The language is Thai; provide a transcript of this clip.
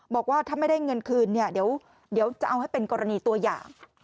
บอกว่าถ้าไม่ได้เงินคืนเนี่ยเดี๋ยวจะเอาให้เป็นกรณีตัวอย่าง